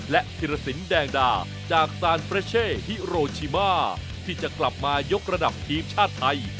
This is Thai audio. และธิรสินแดงดาจากซานเฟรเช่ฮิโรชิมาที่จะกลับมายกระดับทีมชาติไทย